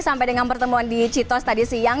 sampai dengan pertemuan di citos tadi siang